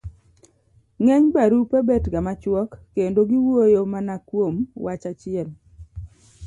ng'eny barupe bet ga machuok kendo giwuoyo mana kuom wach achiel.